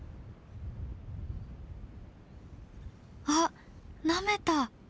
あっなめた！